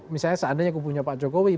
misalnya seandainya kubunya pak jokowi